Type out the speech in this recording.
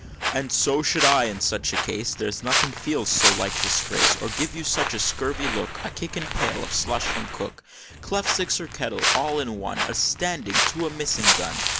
"And so should I, in such a case! There's nothing feels so like disgrace, Or gives you such a scurvy look A kick and pail of slush from Cook, Clefsticks, or Kettle, all in one, As standing to a missing gun!